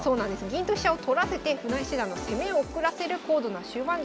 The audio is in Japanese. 銀と飛車を取らせて船江七段の攻めを遅らせる高度な終盤術。